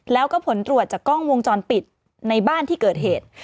แล้วก็ผลตรวจจากกล้องวงจรปิดในบ้านที่เกิดเหตุ